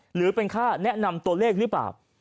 หรือเป็นค่าแนะนำตัวเลขหรือเปล่า